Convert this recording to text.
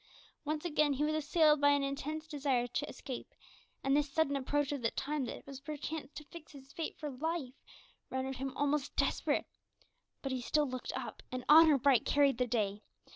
Once again he was assailed by an intense desire to escape, and this sudden approach of the time that was perchance to fix his fate for life rendered him almost desperate but he still looked up, and "honour bright" carried the day.